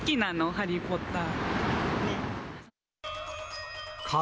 ハリー・ポッター。